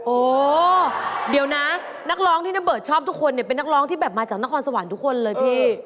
โอ้เดี๋ยวนะนักร้องที่นเบิร์ตชอบทุกคนเนี่ยเป็นนักร้องที่แบบมาจากนครสวรรค์ทุกคนเลยพี่